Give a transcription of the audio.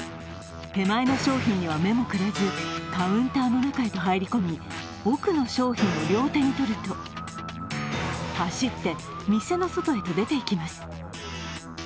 手前の商品には目もくれずカウンターの中へと入り込み奥の商品を両手に取ると走って店の外へと出ていきます。